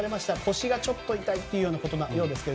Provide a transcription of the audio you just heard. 腰がちょっと痛いということのようですが。